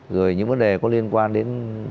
rồi những vấn đề có liên quan đến